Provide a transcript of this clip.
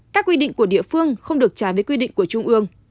các quy định của địa phương không được trái với quy định của trung ương